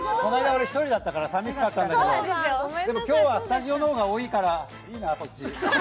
俺、１人だったから寂しかったんだけど、今日はスタジオの方が多いから、いいな、そっち。